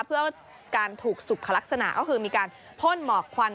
เพื่อการถูกสุขลักษณะก็คือมีการพ่นหมอกควัน